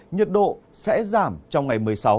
nhiệt độ sẽ giảm trong ngày một mươi sáu